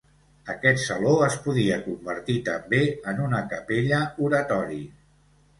Aquest saló es podia convertir també en una capella-oratori.